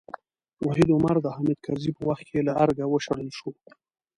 وحید عمر د حامد کرزي په وخت کې له ارګه وشړل شو.